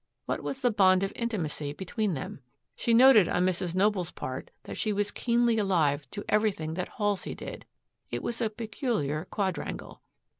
What was the bond of intimacy between them? She noted on Mrs. Noble's part that she was keenly alive to everything that Halsey did. It was a peculiar quadrangle.